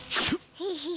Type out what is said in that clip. ヘヘヘヘ。